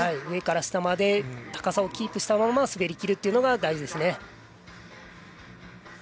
上から下まで高さをキープしたまま滑り切るというのが大事です。